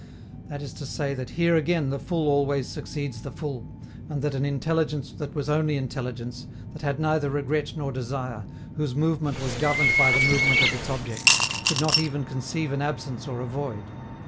That is to say that here again the full always succeeds the full, and that an intelligence that was only intelligence, that had neither regret nor desire, whose movement was governed by the movement of its object, could not even conceive an absence or a void.